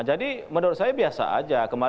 jadi menurut saya biasa saja